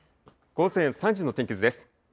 午前３時の天気図です。